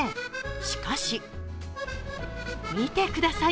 しかし、見てください